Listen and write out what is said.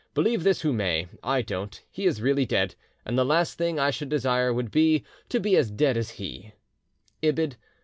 Believe this who may, I don't; he is really dead, and the last thing I should desire would be to be as dead as he",(Ibid.